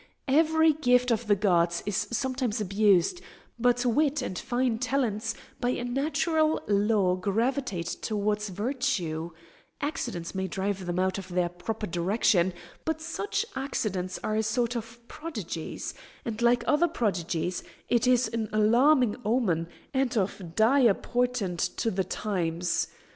Every gift of the gods is sometimes abused; but wit and fine talents by a natural law gravitate towards virtue; accidents may drive them out of their proper direction; but such accidents are a sort of prodigies, and, like other prodigies, it is an alarming omen, and of dire portent to the times.